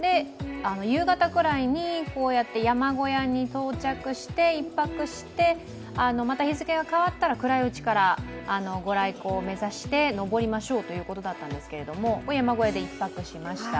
夕方くらいにこうやって山小屋に到着して１泊して、また日付が変わったら、暗いうちから、御来光を目指して登りましょうということだったんですけどこれ、山小屋で１泊しました。